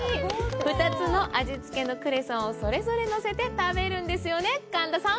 ２つの味付けのクレソンをそれぞれのせて食べるんですよね、神田さん。